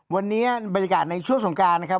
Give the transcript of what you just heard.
วันนี้บรรยากาศในช่วงสงการนะครับ